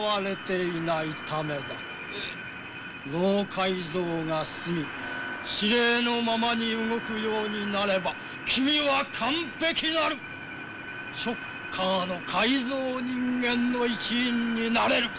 脳改造が済み指令のままに動くようになれば君は完璧なるショッカーの改造人間の一員になれる。